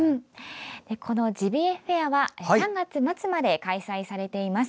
ジビエフェアは３月末まで開催されています。